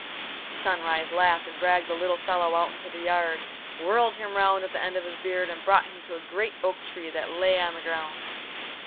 Sunrise laughed, and dragged the little fellow out into the yard, whirled him round at the end of his beard, and brought him to a great oak trunk that lay on the ground.